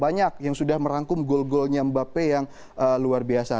banyak yang sudah merangkum gol golnya mbappe yang luar biasa